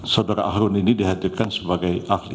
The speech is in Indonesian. saudara ahrun ini dihadirkan sebagai ahli